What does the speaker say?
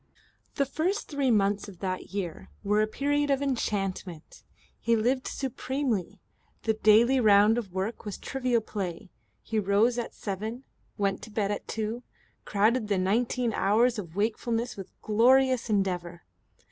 The first three months of that year were a period of enchantment. He lived supremely. The daily round of work was trivial play. He rose at seven, went to bed at two, crowded the nineteen hours of wakefulness with glorious endeavour.